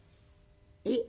えっ？